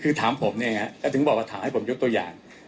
คือถามผมเนี่ยฮะก็ถึงบอกว่าถามให้ผมยกตัวอย่าง